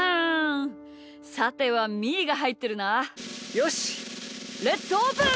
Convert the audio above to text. よしレッツオープン！